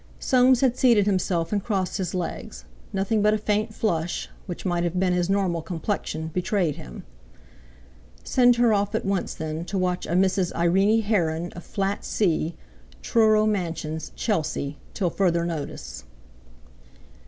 Soames had seated himself and crossed his legs—nothing but a faint flush, which might have been his normal complexion, betrayed him. "Send her off at once, then, to watch a Mrs. Irene Heron of Flat C, Truro Mansions, Chelsea, till further notice."